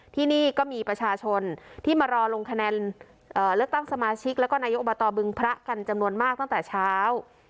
ที่นี่ก็มีประชาชนที่มารอลงคะแนนเลือกตั้งสมาชิกแล้วก็นายกอบตบึงพระกันจำนวนมากตั้งแต่เช้า